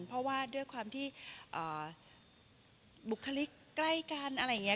เพราะว่าด้วยความที่บุคลิกใกล้กันอะไรอย่างนี้